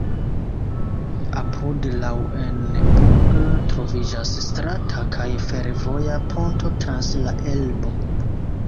Apud Lauenburg troviĝas strata kaj fervoja ponto trans la Elbo.